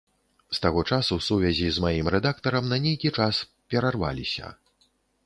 З таго часу сувязі з маім рэдактарам на нейкі час перарваліся.